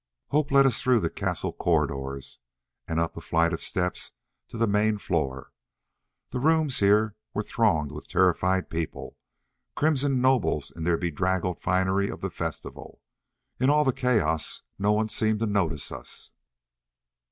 Hope led us through the castle corridors, and up a flight of steps to the main floor. The rooms here were thronged with terrified people crimson nobles in their bedraggled finery of the festival. In all the chaos no one seemed to notice us.